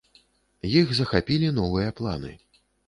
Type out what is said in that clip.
Іх захапілі новыя планы.